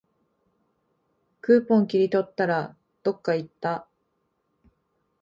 クーポン切り取ったら、どっかいった